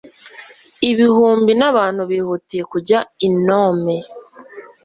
ibihumbi n'abantu bihutiye kujya i nome